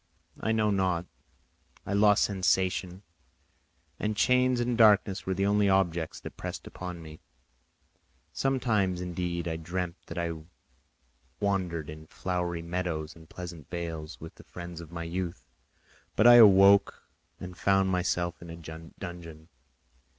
I know not; I lost sensation, and chains and darkness were the only objects that pressed upon me. Sometimes, indeed, I dreamt that I wandered in flowery meadows and pleasant vales with the friends of my youth, but I awoke and found myself in a dungeon.